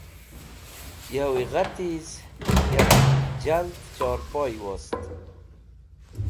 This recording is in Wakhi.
Yawi gha tiz yab jald chorẽpoy wost.